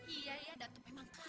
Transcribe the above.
iya datuk memang kaya